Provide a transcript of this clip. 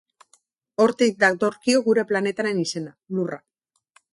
Hortik datorkio gure planetaren izena: Lurra.